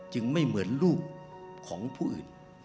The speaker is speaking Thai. ไม่เหมือนลูกของผู้อื่น